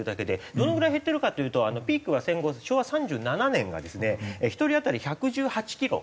どのぐらい減ってるかっていうとピークは戦後昭和３７年がですね１人当たり１１８キロ